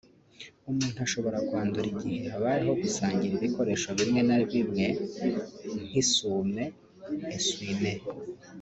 umuntu ashobora kwandura igihe habayeho gusangira ibikoresho bimwe na bimwe nk’isume (essui- mains)